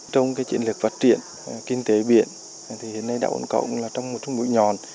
trong chiến lược phát triển kinh tế biển hiện nay đảo cồn cỏ cũng là trong một chút mũi nhòn